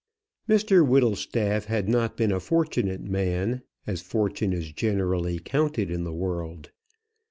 Mr Whittlestaff had not been a fortunate man, as fortune is generally counted in the world.